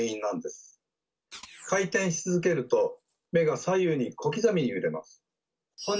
回転し続けると目が左右に小刻みに揺れます。